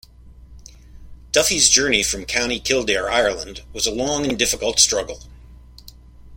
Duffy's journey from County Kildare, Ireland was a long and difficult struggle.